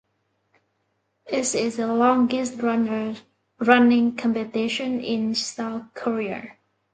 It is the longest running competition in South Korea.